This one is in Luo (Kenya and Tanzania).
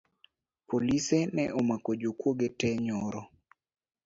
Polise ne omako jokwoge tee nyoro